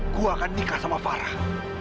gue akan nikah sama farah